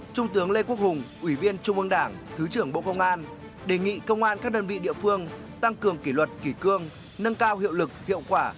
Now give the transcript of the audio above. trung tướng lê quốc hùng ủy viên trung ương đảng thứ trưởng bộ công an đề nghị công an các đơn vị địa phương tăng cường kỷ luật kỷ cương nâng cao hiệu lực hiệu quả